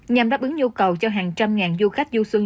nhằm đáp ứng nhu cầu cho hàng trăm ngàn du khách du xuân